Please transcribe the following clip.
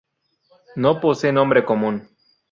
No posee nombre común.